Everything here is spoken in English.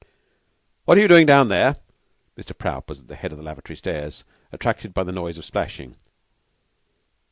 "What are you doing down there?" Mr. Prout was at the head of the lavatory stairs, attracted by the noise of splashing.